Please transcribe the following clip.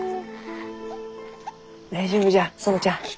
大丈夫じゃ園ちゃん。